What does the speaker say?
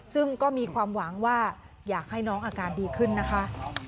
ซึ่งก็มีความหวังว่าอยากให้น้องอาการดีขึ้นนะคะ